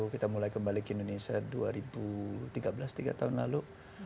kita mulai kembali ke indonesia dua ribu tiga belas tiga tahun lalu